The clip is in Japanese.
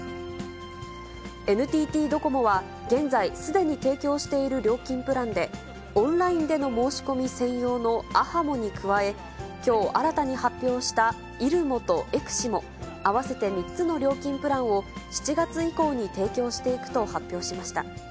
ＮＴＴドコモは現在すでに提供している料金プランで、オンラインでの申し込み専用のアハモに加え、きょう新たに発表したイルモとエクシモ、合わせて３つの料金プランを７月以降に提供していくと発表しました。